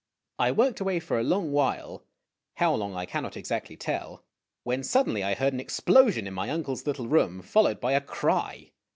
I worked away for a long while how long I cannot exactly tell when suddenly I heard an explosion in my uncle's little room, followed by a cry.